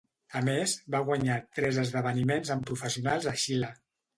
A més, va guanyar tres esdeveniments amb professionals a Xile.